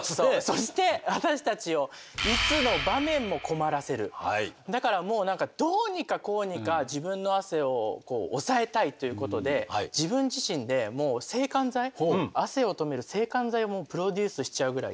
そして私たちをだからもう何かどうにかこうにか自分の汗を抑えたいっていうことで自分自身で制汗剤汗をとめる制汗剤もプロデュースしちゃうぐらい。